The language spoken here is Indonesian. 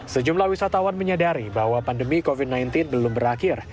sejumlah wisatawan menyadari bahwa pandemi covid sembilan belas belum berakhir